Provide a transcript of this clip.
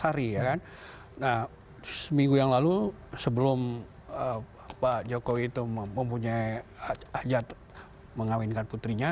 hari ya kan nah seminggu yang lalu sebelum pak jokowi itu mempunyai hajat mengawinkan putrinya